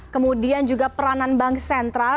kemudian juga peranan bank sentral